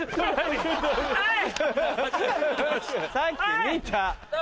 さっき見た。